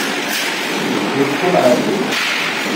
D bu tqulhatin!